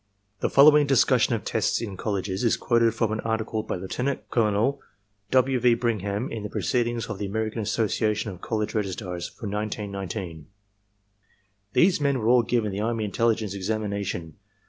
The following discussion of tests in colleges is quoted from an article by Lt. Col. W. V. Bingham in the Proceedings of the American Association of College Registrars for 1919. "These men were all given the army intelligence examination.